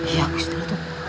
iya gusti ratu